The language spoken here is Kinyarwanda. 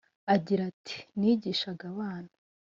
Agira ati “Nigishaga abana